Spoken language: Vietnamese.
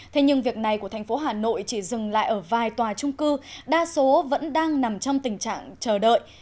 thế nhưng việc này của thành phố hà nội chỉ dừng lại ở vài tòa trung cư đa số vẫn đang nằm trong tình trạng chờ đợi